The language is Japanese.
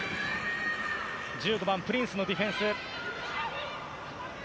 １５番プリンスのディフェンス。